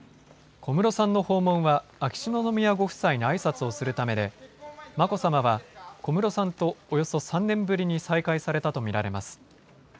小室さんの訪問は秋篠宮ご夫妻にあいさつをするためで眞子さまは小室さんとおよそ３年ぶりに再会されたと見られます。